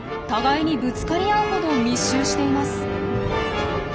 互いにぶつかり合うほど密集しています。